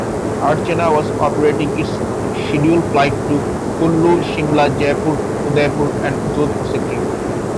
Archana was operating its schedule flight to Kullu, Shimla, Jaipur, Udaipur and Jodhpur sector.